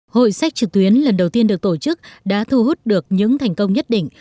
hội sách trực tuyến lần đầu tiên được tổ chức đã thu hút được những thành công nhất định